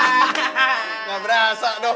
nggak berasa dong